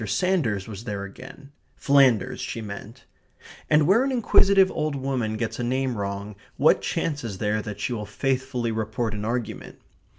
Sanders was there again; Flanders she meant; and where an inquisitive old woman gets a name wrong, what chance is there that she will faithfully report an argument?